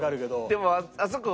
でもあそこ。